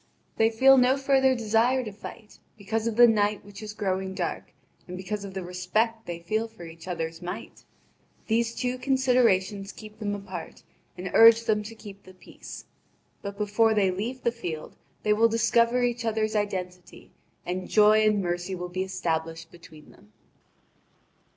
They feel no further desire to fight, because of the night which is growing dark, and because of the respect they feel for each other's might. These two considerations keep them apart, and urge them to keep the peace. But before they leave the field they will discover each other's identity, and joy and mercy will be established between them.